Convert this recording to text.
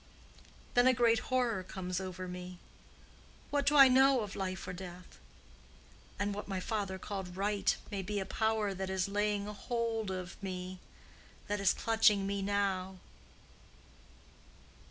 Then a great horror comes over me: what do I know of life or death? and what my father called 'right' may be a power that is laying hold of me—that is clutching me now.